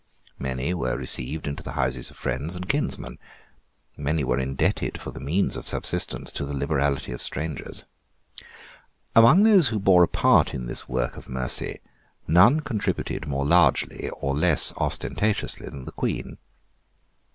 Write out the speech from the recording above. Many were received into the houses of friends and kinsmen. Many were indebted for the means of subsistence to the liberality of strangers. Among those who bore a part in this work of mercy, none contributed more largely or less ostentatiously than the Queen.